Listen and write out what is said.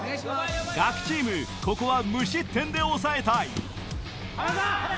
ガキチームここは無失点で抑えたい田中！